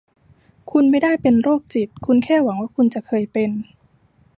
คุณไม่ได้เป็นโรคจิต คุณแค่หวังว่าคุณจะเคยเป็น